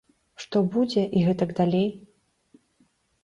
Што будзе і гэтак далей.